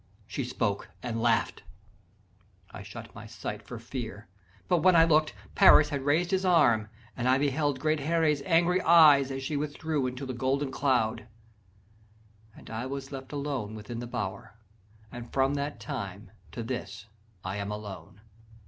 She spoke and laugh'd: I shut my sight for fear: But when I look'd, Paris had raised his arm, And I beheld great Herè's angry eyes, As she withdrew into the golden cloud, And I was left alone within the bower; And from that time to this I am alone.